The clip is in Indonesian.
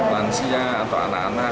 lansia atau anak anak